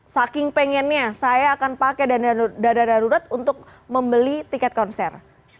saking pengennya saya akan pakai dana darurat untuk membeli tiket konser